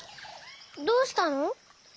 どうしたの？